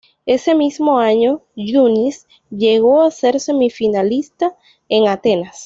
Ese mismo año, Yunis llegó a ser semifinalista en Atenas.